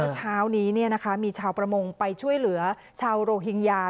เช้านี้มีชาวประมงไปช่วยเหลือชาวโรฮิงญา